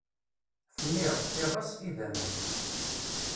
Fniɣ, iɣes, idammen.